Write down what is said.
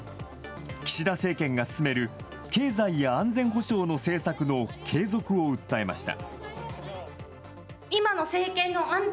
岸田政権が進める経済や安全保障の政策の継続を訴えました。